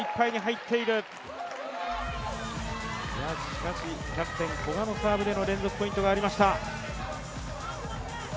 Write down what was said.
しかし、キャプテン・古賀のサーブでの連続ポイントがありました。